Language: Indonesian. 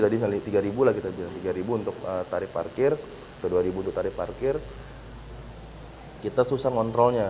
tadi rp tiga lagi tadi rp tiga untuk tarif parkir atau rp dua untuk tarif parkir kita susah ngontrolnya